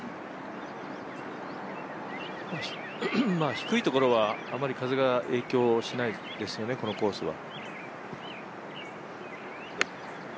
低いところはあまり風が影響しないですよね、このコースは。